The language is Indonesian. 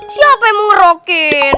siapa yang mau ngerokin